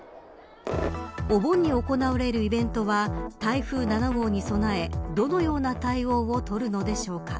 お盆に行われるイベントは台風７号に備えどのような対応を取るのでしょうか。